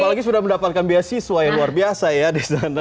apalagi sudah mendapatkan beasiswa yang luar biasa ya di sana